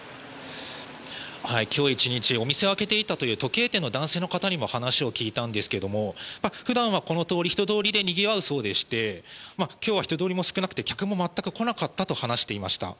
今日１日、お店を開けていた時計店の男性の方に話を聞いたんですが普段はこの通りは人通りでにぎわうそうでして今日は人通りも少なくて客も全く来なかったと話していました。